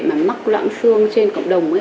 mà mắc loãng xương trên cộng đồng